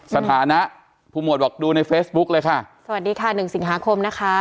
สถานะผู้หมวดบอกดูในเฟซบุ๊กเลยค่ะสวัสดีค่ะหนึ่งสิงหาคมนะคะ